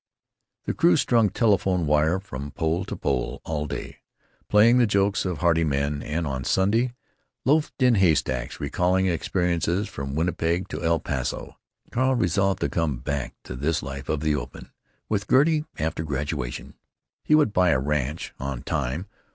The crew strung telephone wire from pole to pole all day, playing the jokes of hardy men, and on Sunday loafed in haystacks, recalling experiences from Winnipeg to El Paso. Carl resolved to come back to this life of the open, with Gertie, after graduation. He would buy a ranch "on time."